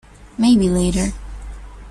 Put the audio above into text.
Maybe later.